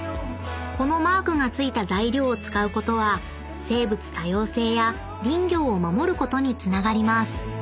［このマークが付いた材料を使うことは生物多様性や林業を守ることにつながります］